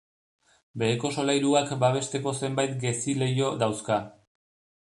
Beheko solairuak babesteko zenbait gezileiho dauzka.